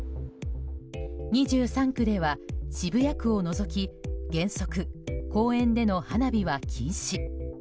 ２３区では渋谷区を除き原則、公園での花火は禁止。